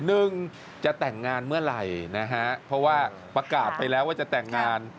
หนึ่งจะแต่งงานเมื่อไหร่นะฮะเพราะว่าประกาศไปแล้วว่าจะแต่งงาน